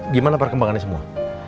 gimana perkembangannya semua